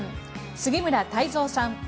杉村太蔵さん